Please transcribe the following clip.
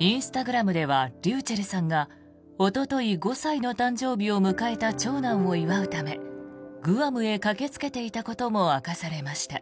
インスタグラムではｒｙｕｃｈｅｌｌさんがおととい、５歳の誕生日を迎えた長男を祝うためグアムへ駆けつけていたことも明かされました。